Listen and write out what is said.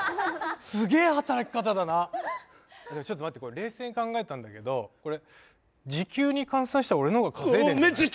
すげえ働き方だなちょっと待ってこれ冷静に考えたんだけどこれ時給に換算したら俺の方が稼いでんじゃない？